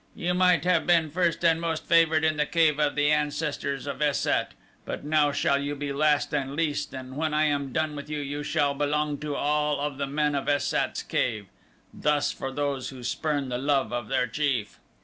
"You might have been first and most favored in the cave of the ancestors of Es sat; but now shall you be last and least and when I am done with you you shall belong to all of the men of Es sat's cave. Thus for those who spurn the love of their chief!"